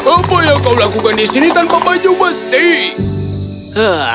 apa yang kau lakukan di sini tanpa baju besi